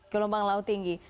gelombang laut tinggi